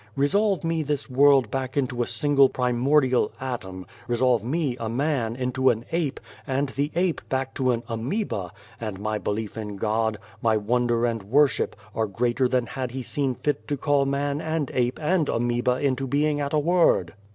Resolve me this world back into a single primordial atom, resolve me a man into an ape, and the ape back to an amoeba, and my belief in God, my wonder and worship, are greater than had He seen fit to call man and ape and amoeba into being at a word.